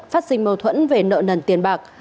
phát sinh mâu thuẫn về nợ nần tiền bạc